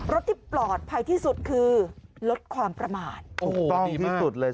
รถที่ปลอดภัยที่สุดคือลดความประมาทโอ้โหต้องดีที่สุดเลย